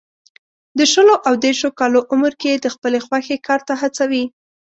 د شلو او دېرشو کالو عمر کې یې د خپلې خوښې کار ته هڅوي.